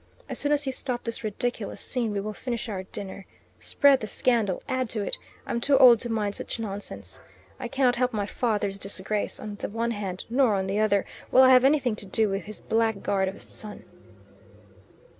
As soon as you stop this ridiculous scene we will finish our dinner. Spread this scandal; add to it. I'm too old to mind such nonsense. I cannot help my father's disgrace, on the one hand; nor, on the other, will I have anything to do with his blackguard of a son."